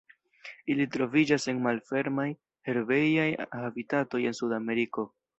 Ili troviĝas en malfermaj, herbejaj habitatoj en Sudameriko.